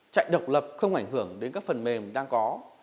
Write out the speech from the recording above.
chạy độc lập không ảnh hưởng đến các phần mềm đang có